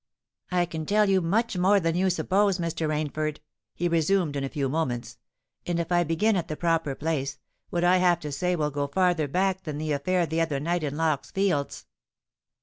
"I can tell you much more than you suppose, Mr. Rainford," he resumed in a few moments; "and if I begin at the proper place, what I have to say will go farther back than the affair the other night in Lock's Fields."